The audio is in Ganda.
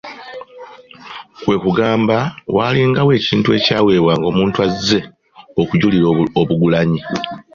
Kwe kugamba waalingawo ekintu ekyaweebwanga omuntu azze okujulira obugulanyi.